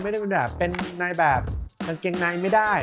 ไม่ได้เป็นนายแบบกางเกงนายไม่ได้